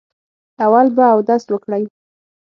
اول به اودس وکړئ.